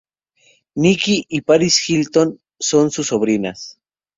Nicky y Paris Hilton son sus sobrinas.